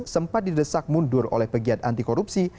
sempat didesak mundur oleh pegiat antikorupsi